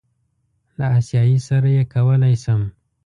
له آسیایي سره یې کولی شم.